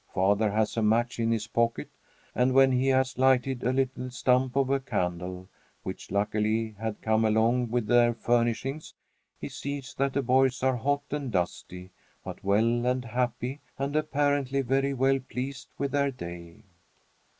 Father has a match in his pocket, and when he has lighted a little stump of a candle, which luckily had come along with their furnishings, he sees that the boys are hot and dusty, but well and happy and apparently very well pleased with their day.